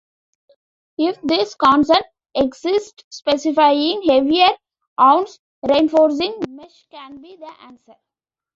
If these concerns exist, specifying heavier ounce reinforcing mesh can be the answer.